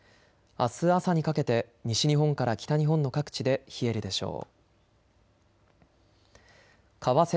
あす朝にかけて西日本から北日本の各地で冷えるでしょう。